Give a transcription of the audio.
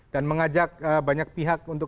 dan mengajak banyak pihak untuk